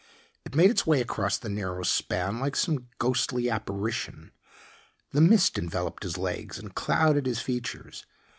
It made its way across the narrow span like some ghostly apparition. The mist enveloped his legs and clouded his features.